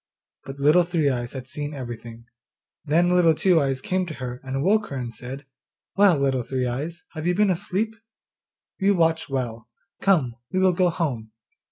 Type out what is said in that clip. But Little Three eyes had seen everything. Then Little Two eyes came to her, and woke her and said, 'Well, Little Three eyes, have you been asleep? You watch well! Come, we will go home.